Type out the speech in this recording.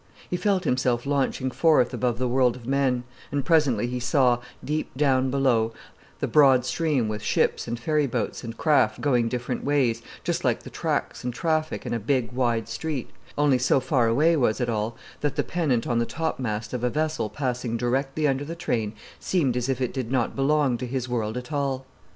He felt himself launching forth above the world of men, and presently he saw, deep down below, the broad stream with ships and ferry boats and craft going different ways, just like the tracks and traffic in a big, wide street; only so far away was it all that the pennant on the topmast of a vessel passing directly under the train seemed as if it did not belong to his world at all.